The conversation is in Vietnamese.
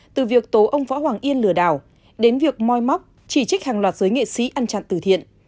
từ việc tố ông võ hoàng yên lừa đảo đến việc moi móc chỉ trích hàng loạt giới nghệ sĩ ăn chặn từ thiện